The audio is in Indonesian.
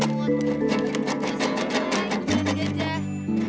terus ada gajah